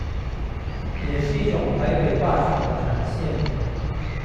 也是一種台北霸權的展現